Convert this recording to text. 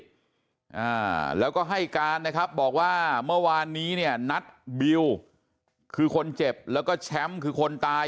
เราก็ให้การนะครับบอกว่าเมื่อวานนี้นัดบิลคือคนเจ็บแล้วก็แชอมคือคนตาย